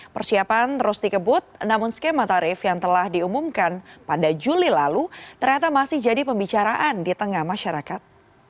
persiapan terus dikebut namun skema tarif yang telah diumumkan pada juli lalu ternyata masih jadi pembicaraan di tengah masyarakat